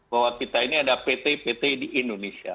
bahwa kita ini ada pt pt di indonesia